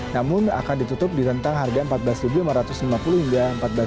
namun akan ditutup di rentang harga empat belas lima ratus lima puluh hingga empat belas enam ratus sepuluh